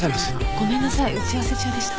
ごめんなさい打ち合わせ中でしたか？